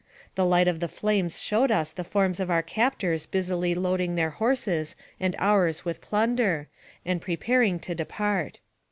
The light of the flames showed us the forms of our captors busily loading their horses and ours with plunder, and pre paring to depart.